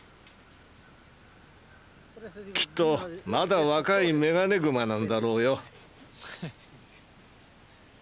きっとまだ若いメガネグマなんだろうよ。